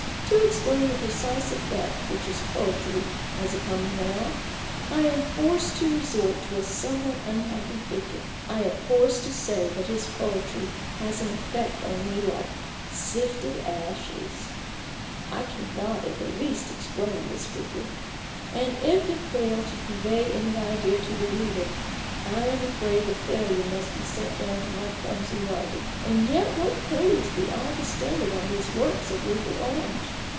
To explain the precise effect which his poetry has upon me now, I am forced to resort to 36 A BOOK OF BARGAINS. a somewhat unhappy figure ; I am forced to say that his poetry has an effect on me like sifted ashes I I cannot in the least explain this figure ; and if it fail to convey any idea to the reader, I am afraid the failure must be set down to my clumsy writing. And yet what praise we all bestowed on these works of Rupert Orange